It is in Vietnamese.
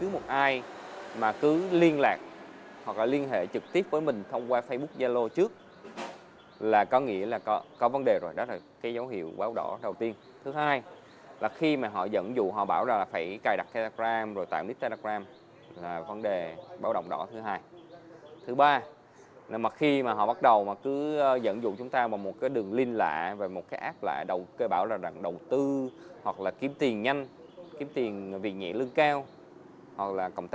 hoặc là kiếm tiền nhanh kiếm tiền vì nhẹ lưng cao hoặc là cộng tác viên là một trăm linh là lừa đảo hết